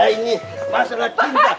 ini masalah cinta